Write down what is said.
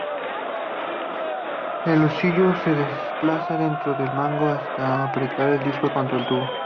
El husillo se desplaza dentro del mango hasta apretar el disco contra el tubo.